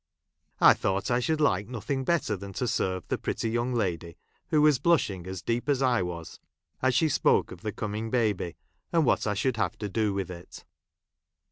I thought I should like nothing better than to serve the pretty yoiing lady, who was blushing as deep as I wa.s, as she spoke of the coming baby, and what I should have to do with it.